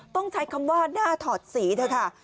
ต้องใช้คำว่าหน้าถอดสีเถอะค่ะ